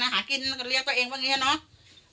มันขากินะก็เรียกตัวเองว่าอย่างนี้นะ